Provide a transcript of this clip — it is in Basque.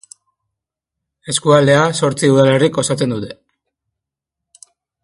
Eskualdea zortzi udalerrik osatzen dute.